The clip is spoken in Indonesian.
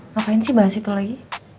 ngapain sih bahas itu lagi